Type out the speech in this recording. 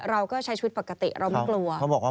เราก็ใช้ชีวิตปกติเราไม่กลัว